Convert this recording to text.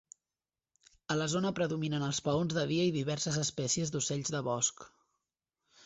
A la zona predominen els paons de dia i diverses espècies d'ocells de bosc.